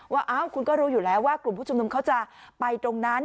ว่าคุณก็รู้อยู่แล้วว่ากลุ่มผู้ชุมนุมเขาจะไปตรงนั้น